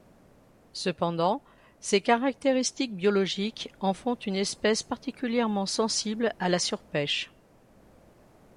Cependant, ses caractéristiques biologiques en font une espèce particulièrement sensible à la sur-pêche.